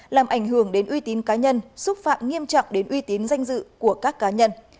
làm ảnh hưởng đến uy tín cá nhân xúc phạm nghiêm trọng đến uy tín danh dự của các cá nhân